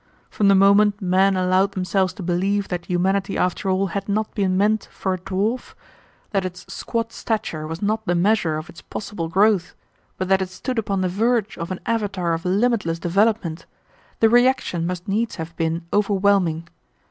From the moment men allowed themselves to believe that humanity after all had not been meant for a dwarf, that its squat stature was not the measure of its possible growth, but that it stood upon the verge of an avatar of limitless development, the reaction must needs have been overwhelming.